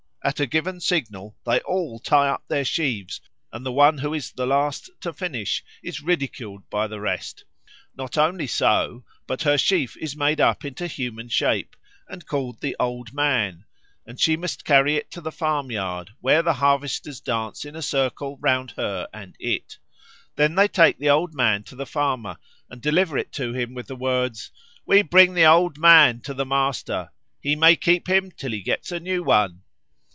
At a given signal they all tie up their sheaves, and the one who is the last to finish is ridiculed by the rest. Not only so, but her sheaf is made up into human shape and called the Old Man, and she must carry it home to the farmyard, where the harvesters dance in a circle round her and it. Then they take the Old Man to the farmer and deliver it to him with the words, "We bring the Old Man to the Master. He may keep him till he gets a new one."